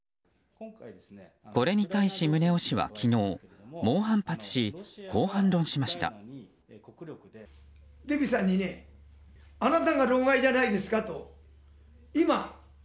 これに対し宗男氏は昨日、猛反発しこう反論しました。